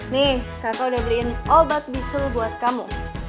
nih kakak udah beliin obat bisul buat kamu